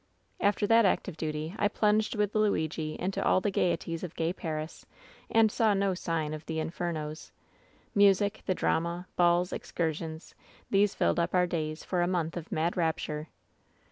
"After that act of duty, I plunged with Luigi into all the gayeties of gay Paris, and saw no signs of the infernos.' Music, the drama, balls, excursions, these filled up our days, for a month of mad rapture.